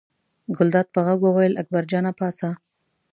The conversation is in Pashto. ګلداد په غږ وویل اکبر جانه پاڅه.